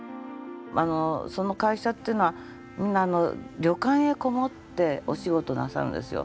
あのその会社っていうのはみんな旅館へ籠もってお仕事なさるんですよ。